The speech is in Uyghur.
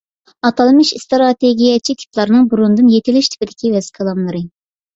ئاتالمىش ئىستراتېگىيەچى تىپلارنىڭ بۇرۇندىن يېتىلەش تىپىدىكى ۋەز - كالاملىرى